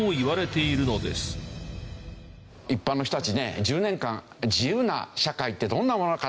一般の人たちね１０年間自由な社会ってどんなものか